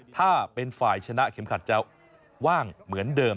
ถ้าเป็นฝ่ายชนะเข็มขัดจะว่างเหมือนเดิม